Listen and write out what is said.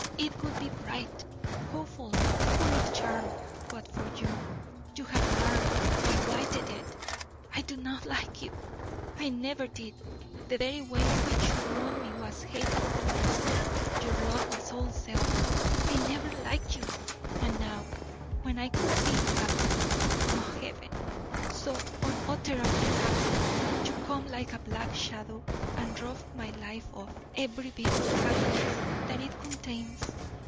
It would be bright, hopeful, full of charm, but for you you have marred and blighted it. I do not like you I never did. The very way in which you won me was hateful to me; your love was all self. I never liked you. And now, when I could be happy ah, Heaven, so unutterably happy you come like a black shadow and rob my life of every bit of happiness that it contains.